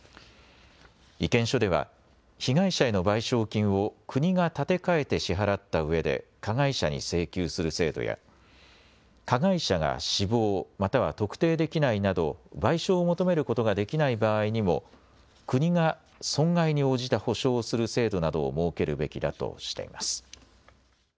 意見書では被害者への賠償金を国が立て替えて支払ったうえで加害者に請求する制度や加害者が死亡または特定できないなど賠償を求めることができない場合にも国が損害に応じた補償をする制度などを設けるべきだとしています。